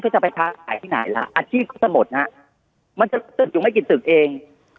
จะไปทางไหนล่ะอาชีพสมตนะ